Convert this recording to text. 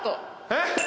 えっ？